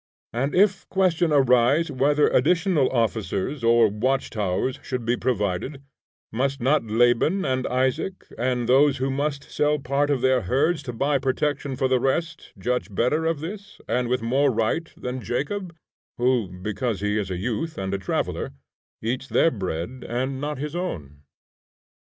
And if question arise whether additional officers or watch towers should be provided, must not Laban and Isaac, and those who must sell part of their herds to buy protection for the rest, judge better of this, and with more right, than Jacob, who, because he is a youth and a traveller, eats their bread and not his own?